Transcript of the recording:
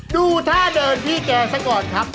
ดูท่าเดินพี่แกซะก่อนครับ